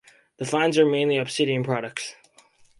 The finds are mainly obsidian products.